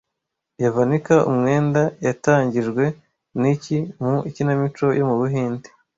Yavanika (Umwenda) yatangijwe niki mu ikinamico yo mu Buhinde